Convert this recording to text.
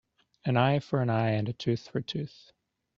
An eye for an eye and a tooth for a tooth.